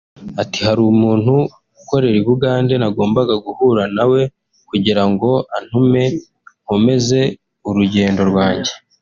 Ati “Hari umuntu ukorera i Bugande nagombaga guhura nawe kugira ngo antume nkomeze urugendo rwanjye